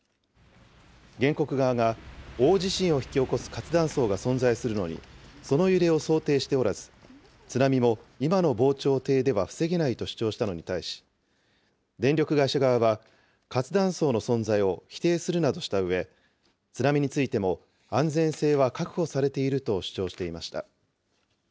原告側が、大地震を引き起こす活断層が存在するのに、その揺れを想定しておらず、津波も今の防潮堤では防げないと主張したのに対し、電力会社側は、活断層の存在を否定するなどしたうえ、津波についても安全性は確保されていると主張していました。